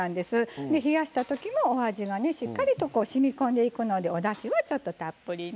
冷やしたときもお味がねしっかりとしみこんでいくのでおだしはちょっとたっぷりめ。